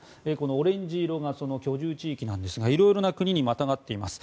オレンジ色が居住地域なんですがいろいろな国にまたがっています。